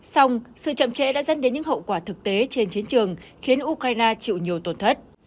xong sự chậm trễ đã dẫn đến những hậu quả thực tế trên chiến trường khiến ukraine chịu nhiều tổn thất